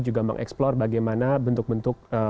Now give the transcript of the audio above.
juga mengeksplor bagaimana bentuk bentuk